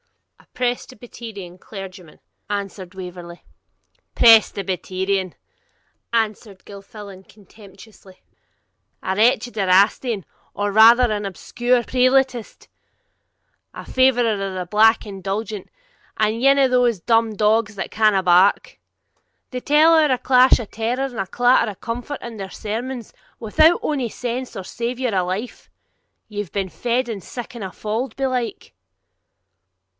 'A Presbyterian clergyman,' answered Waverley. 'Presbyterian!' answered Gilfillan contemptuously; 'a wretched Erastian, or rather an obscure Prelatist, a favourer of the black indulgence, ane of thae dumb dogs that canna bark; they tell ower a clash o' terror and a clatter o' comfort in their sermons, without ony sense, or savour, or life. Ye've been fed in siccan a fauld, belike?'